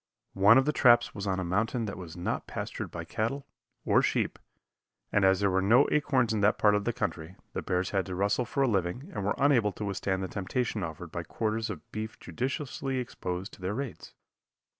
One of the traps was on a mountain that was not pastured by cattle, or sheep, and as there were no acorns in that part of the country, the bears had to rustle for a living and were unable to withstand the temptation offered by quarters of beef judiciously exposed to their raids.